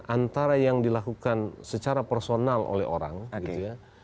antara yang dilakukan secara personal oleh orang gitu ya